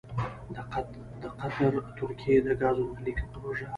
دقطر ترکیې دګازو نل لیکې پروژه: